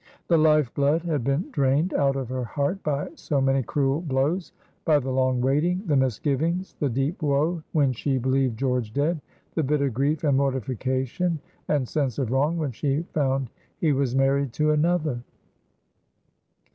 The life blood had been drained out of her heart by so many cruel blows, by the long waiting, the misgivings, the deep woe when she believed George dead, the bitter grief and mortification and sense of wrong when she found he was married to another.